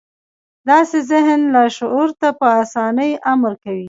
داسې ذهن لاشعور ته په اسانۍ امر کوي